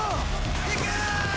いけ！